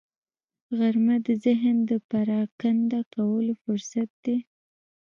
غرمه د ذهن د پرېکنده کولو فرصت دی